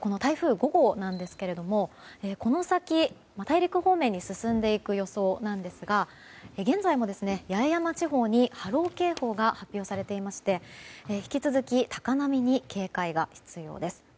この台風５号なんですけれどもこの先、大陸方面に進んでいく予想ですが、現在も八重山地方に波浪警報が発表されていまして引き続き高波に警戒が必要です。